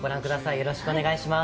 よろしくお願いします。